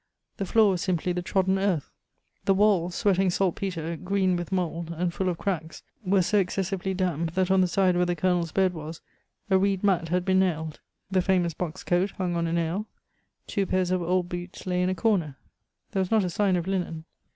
The floor was simply the trodden earth. The walls, sweating salt petre, green with mould, and full of cracks, were so excessively damp that on the side where the Colonel's bed was a reed mat had been nailed. The famous box coat hung on a nail. Two pairs of old boots lay in a corner. There was not a sign of linen.